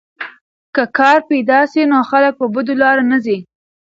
که کار پیدا سي نو خلک په بدو لارو نه ځي.